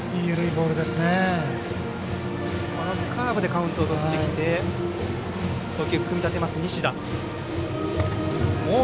カーブでカウントをとってきて投球を組み立てる西田。